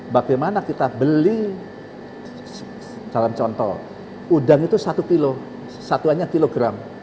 bagaimana kita beli dalam contoh udang itu satu kilo satuannya kilogram